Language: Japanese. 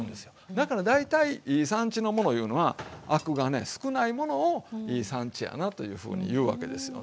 だから大体いい産地のものいうのはアクがね少ないものをいい産地やなというふうに言うわけですよね。